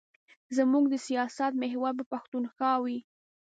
زموږ د سیاست محور به پښتونخوا وي.